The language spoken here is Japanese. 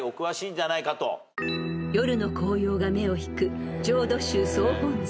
［夜の紅葉が目を引く］